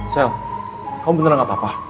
sal kamu beneran gapapa